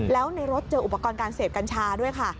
แล้วในรถเจออุปกรณ์การเสพกัญชาด้วยค่ะ